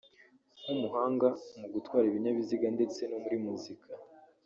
nk’umuhanga mu gutwara ibinyabiziga ndetse no muri muzika